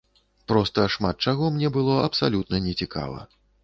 Проста шмат чаго мне было абсалютна не цікава.